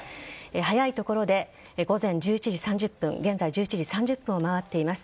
早いところで午前１１時３０分現在１１時３０分を回っています。